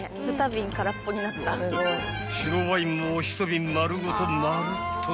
［白ワインも１瓶丸ごとまるっとな］